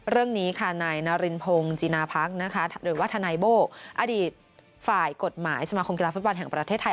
เรื่องนี้ค่ะนายนารินพงศ์จีนาพักนะคะหรือว่าทนายโบ้อดีตฝ่ายกฎหมายสมาคมกีฬาฟุตบอลแห่งประเทศไทย